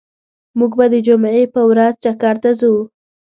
موږ به د جمعی په ورځ چکر ته ځو